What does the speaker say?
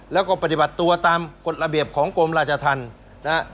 แล้วก็ปฏิบัติตัวตามกฎระเบียบของกรมราชธรรมนะฮะ